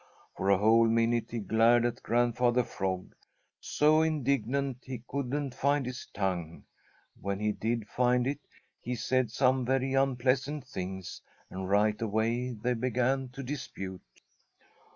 For a whole minute he glared at Grandfather Frog, so indignant he couldn't find his tongue. When he did find it, he said some very unpleasant things, and right away they began to dispute.